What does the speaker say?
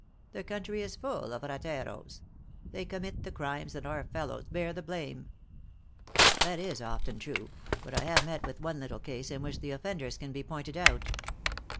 "The country is full of rateros. They commit the crimes and our fellows bear the blame." " That is often true ; but I have met with one little case in which the offenders can be pointed out."